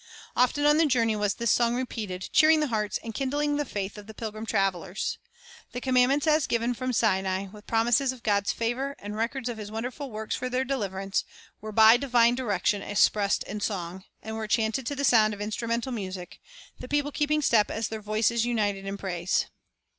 2 Often on the journey was this song repeated, cheering the hearts and kindling the faith of the pilgrim travelers. The commandments as given from Sinai, with promises of God's favor and records of His wonderful works for their deliverance, were by divine direction expressed in song, and were chanted to the sound of instrumental music, the people keeping step as their voices united in praise.